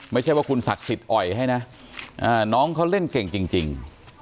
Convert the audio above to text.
ไม่ใช่ว่าคุณศักดิ์สิทธิ์อ่อยให้นะน้องเขาเล่นเก่งจริง